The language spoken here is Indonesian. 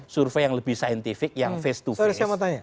survei yang lebih scientific yang face to face